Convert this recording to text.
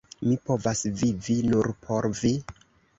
Mi povas vivi nur por vi!